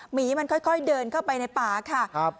หมีมันค่อยเดินเข้าไปในป่าค่ะ